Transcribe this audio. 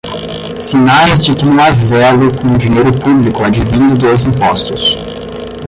Sinais de que não há zelo com o dinheiro público advindo dos impostos